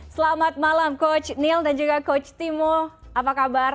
selamat malam coach neil dan juga coach timo apa kabar